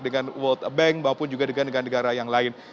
dengan world bank maupun juga dengan negara negara yang lain